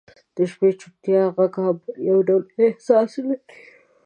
• د شپې د چوپتیا ږغ هم یو ډول احساس لري.